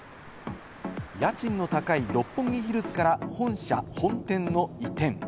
家賃の高い六本木ヒルズから本社本店の移転。